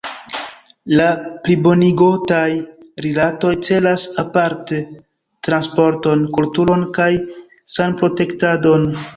La plibonigotaj rilatoj celas aparte transporton, kulturon kaj sanprotektadon.